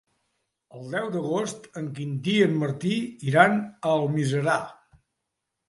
El deu d'agost en Quintí i en Martí iran a Almiserà.